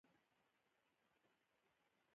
تاریخ ولې عبرت دی؟